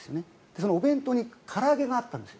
そのお弁当にから揚げがあったんです。